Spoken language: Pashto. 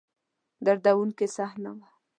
دردوونکې صحنه وه.